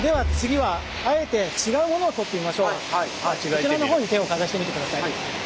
こちらの方に手をかざしてみてください。